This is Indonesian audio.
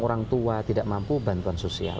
orang tua tidak mampu bantuan sosial